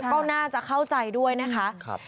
ก็น่าจะเข้าใจด้วยนะคะ